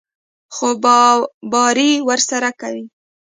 خوباري ورسره کوي.